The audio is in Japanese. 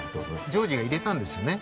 ジョージが入れたんですよね？